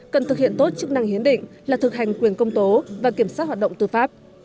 cần thực hiện tốt chức năng hiến định là thực hành quyền công tố và kiểm soát hoạt động tư pháp